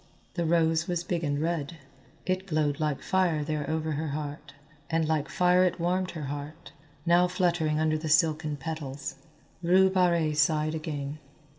The rose was big and red. It glowed like fire there over her heart, and like fire it warmed her heart, now fluttering under the silken petals. Rue Barrée sighed again.